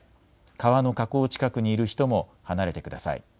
川の河口近くにいる人も離れてください。